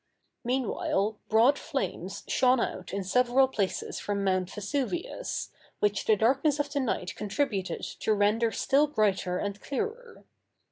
Meanwhile broad flames shone out in several places from Mount Vesuvius, which the darkness of the night contributed to render still brighter and clearer.